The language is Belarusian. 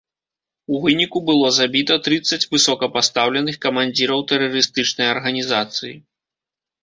У выніку было забіта трыццаць высокапастаўленых камандзіраў тэрарыстычнай арганізацыі.